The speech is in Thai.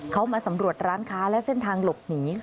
เขามาสำรวจร้านค้าและเส้นทางหลบหนี